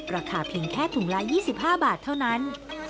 ราคาเพียงแค่ถุงละ๒๕บาทเท่านั้น